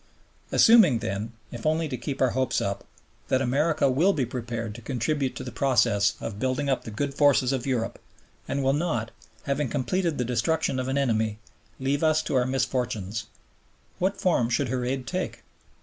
Assuming then, if only to keep our hopes up, that America will be prepared to contribute to the process of building up the good forces of Europe, and will not, having completed the destruction of an enemy, leave us to our misfortunes, what form should her aid take?